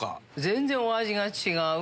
全然お味が違う。